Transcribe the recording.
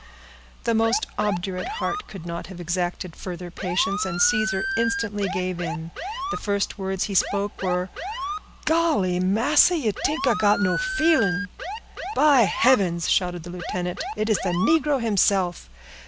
The most obdurate heart could not have exacted further patience, and Caesar instantly gave in. The first words he spoke were— "Golly! massa, you t'ink I got no feelin'?" "By heavens!" shouted the lieutenant, "it is the negro himself!